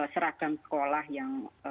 seragam sekolah yang